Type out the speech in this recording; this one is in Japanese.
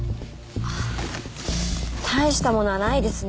ああ大したものはないですね。